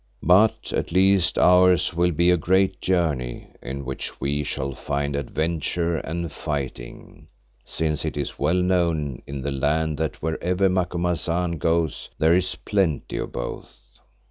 But at least ours will be a great journey in which we shall find adventure and fighting, since it is well known in the land that wherever Macumazahn goes there is plenty of both.